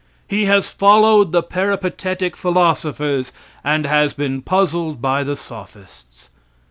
He has followed the peripatetic philosophers, and has been puzzled by the sophists.